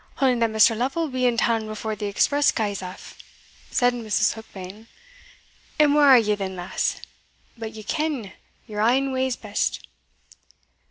"Only that Mr. Lovel will be in town before the express gaes aff," said Mrs. Heukbane; "and where are ye then, lass? But ye ken yere ain ways best."